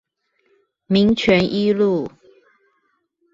民權一路